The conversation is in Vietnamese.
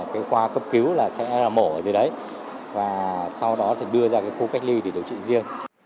cái khoa cấp cứu là sẽ là mổ ở dưới đấy và sau đó sẽ đưa ra cái khu cách ly để điều trị riêng